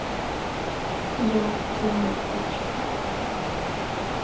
Я в тюрму хочу.